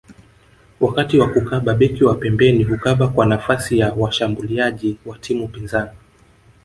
Wakati wa kukaba beki wa pembeni hukaba kwa nafasi ya washambuliaji wa timu pinzani